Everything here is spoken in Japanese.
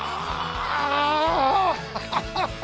アハハハハ！